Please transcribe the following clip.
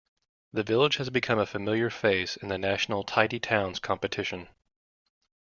The village has become a familiar face in the national Tidy Towns competition.